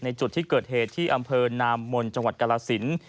ในจุดที่เกิดเหตุที่อำเภอนามมลจกรสินต์